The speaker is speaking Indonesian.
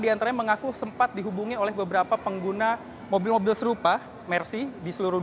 di antaranya mengaku sempat dihubungi oleh beberapa pengguna mobil mobil serupa mercy di seluruh